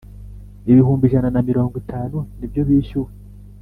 ibihumbi ijana na mirongo itanu nibyo bishyuwe